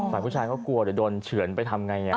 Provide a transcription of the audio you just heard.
ฝ่ายผู้ชายเขากลัวเดี๋ยวโดนเฉือนไปทำไง